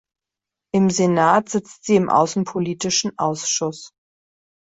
Im Senat sitzt sie im außenpolitischen Ausschuss.